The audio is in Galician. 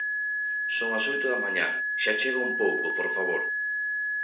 Son as oito da mañá, xa chega un pouco porfavor.